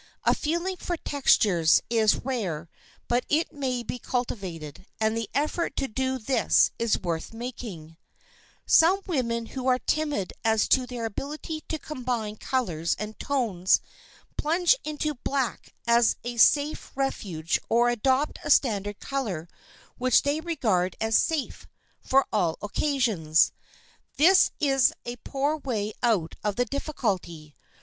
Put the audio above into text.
A feeling for textures is rare, but it may be cultivated, and the effort to do this is worth making. [Sidenote: INDIVIDUALITY IN DRESS] Some women who are timid as to their ability to combine colors and tones, plunge into black as a safe refuge or adopt a standard color which they regard as "safe" for all occasions. This is a poor way out of the difficulty.